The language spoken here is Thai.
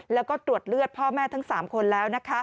แล้วก็ตรวจเลือดพ่อแม่ทั้ง๓คนแล้ว